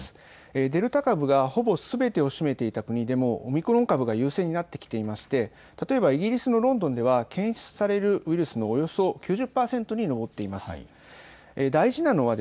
デルタ株がほぼすべてを占めていた国でもオミクロン株が優勢になってきていて例えばイギリスのロンドンでは検出されるウイルスのおよそ９０％に上っています。